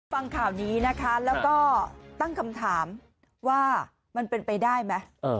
ฟังข่าวนี้นะคะแล้วก็ตั้งคำถามว่ามันเป็นไปได้ไหม